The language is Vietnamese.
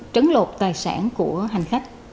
trấn lột tài sản của hành khách